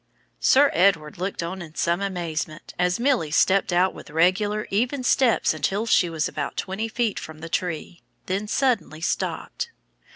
Sir Edward looked on in some amusement as Milly stepped out with regular even steps until she was about twenty feet from the tree, then suddenly stopped.